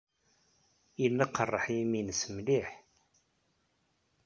Yella yeqreḥ-it yimi-nnes mliḥ.